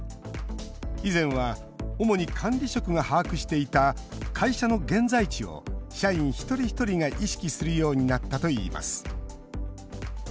以前は主に管理職が把握していた会社の現在地を、社員一人一人が意識するようになったといいます。